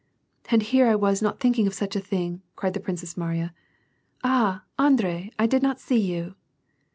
" And here was I not thinking of such a thing !"• cried the Princess Mariya. ." Ah, Andrei, I did not see you